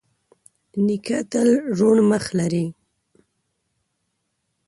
نیکه تل روڼ مخ لري.